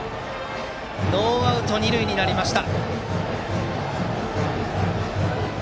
ノーアウト、二塁になりました。